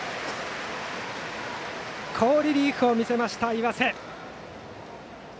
好リリーフを見せた岩瀬。